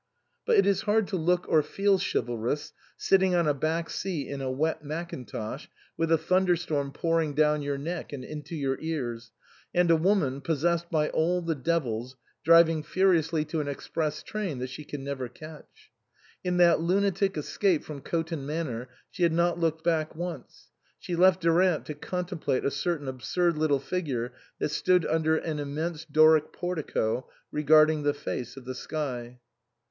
But it is hard to look or feel chivalrous sitting on a back seat in a wet mackintosh with a thunderstorm pouring down your neck and into your ears, and a woman, possessed by all the devils, driving furiously to an express train that she can never catch. In that lunatic escape from Coton Manor she had not looked back once ; she left Durant to contemplate a certain absurd little figure that stood under an immense Doric portico, regarding the face of the sky.